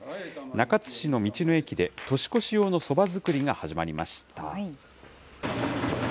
中津市の道の駅で、年越し用のそば作りが始まりました。